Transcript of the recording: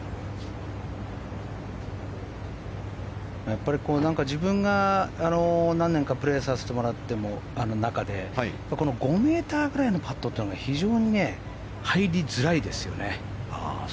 やっぱり、自分が何年かプレーさせてもらった中でこの５ｍぐらいのパットが非常に入りづらいですよね。